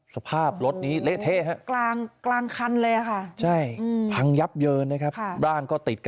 สภาพรถนี้เล่เทศกลางกลางคันเลยค่ะใช่พังยับเยินนะครับบ้านก็ติด